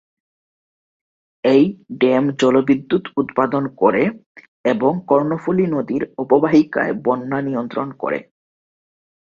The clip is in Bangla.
এই ড্যাম জল বিদ্যুৎ উৎপাদন করে এবং কর্ণফুলী নদীর অববাহিকায় বন্যা নিয়ন্ত্রণ করে।